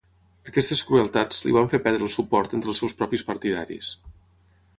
Aquestes crueltats li van fer perdre el suport entre els seus propis partidaris.